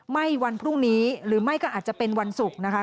วันพรุ่งนี้หรือไม่ก็อาจจะเป็นวันศุกร์นะคะ